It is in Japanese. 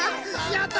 やった！